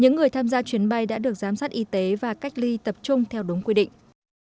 những người tham gia chuyến bay đã được giám sát y tế và cách ly tập trung theo đúng quy định